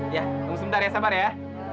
ya tunggu sebentar ya sabar ya